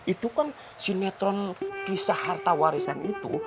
itu kan sinetron kisah harta warisan itu